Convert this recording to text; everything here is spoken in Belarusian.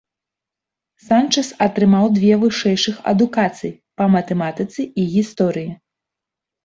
Санчэс атрымаў две вышэйшых адукацыі па матэматыцы і гісторыі.